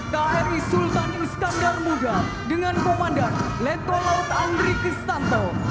kri sultan iskandar muda dengan komandan letkol laut andri kristanto